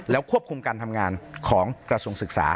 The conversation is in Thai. ควบคุมการทำงานของกระทรวงศึกษา